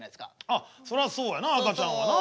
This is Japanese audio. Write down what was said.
ああそらそうやな赤ちゃんはな。